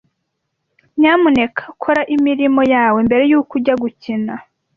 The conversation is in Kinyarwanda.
Nyamuneka kora imirimo yawe mbere yuko ujya gukina.